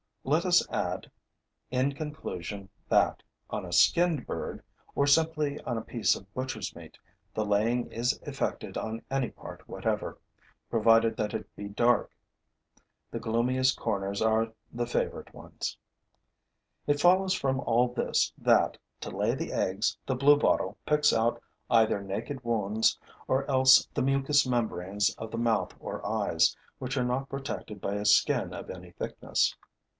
Let us add, in conclusion, that, on a skinned bird, or simply on a piece of butcher's meat, the laying is effected on any part whatever, provided that it be dark. The gloomiest corners are the favorite ones. It follows from all this that, to lay the eggs, the Bluebottle picks out either naked wounds or else the mucous membranes of the mouth or eyes, which are not protected by a skin of any thickness.